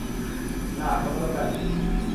না, কোন দরকার নাই।